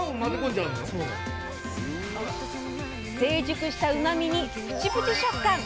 成熟したうまみにプチプチ食感！